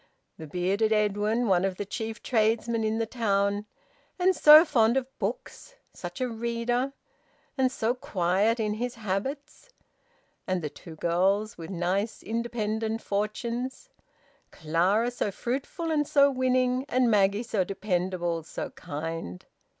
The bearded Edwin, one of the chief tradesmen in the town, and so fond of books, such a reader, and so quiet in his habits! And the two girls, with nice independent fortunes: Clara so fruitful and so winning, and Maggie so dependable, so kind!